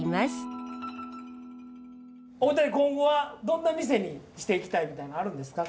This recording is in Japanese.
お二人今後はどんな店にしていきたいみたいのあるんですか？